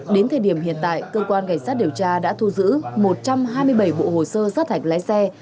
đến thời điểm hiện tại cơ quan cảnh sát điều tra đã thu giữ một trăm hai mươi bảy bộ hồ sơ sát hạch lái xe